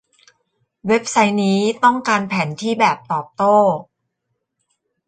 เว็บไซต์นี้ต้องการแผนที่แบบตอบโต้